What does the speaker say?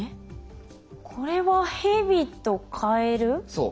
そう。